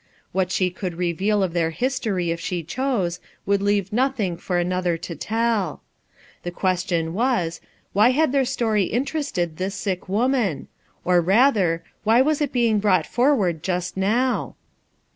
What she could reveal of their history if she chose, would leave nothing for another to tell. The question was, Why had their story interested this sick woman? Or father, why was it being brought forward just now?